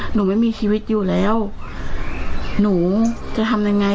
หนูไม่มีชีวิตอยู่แล้วหนูจะทำยังไง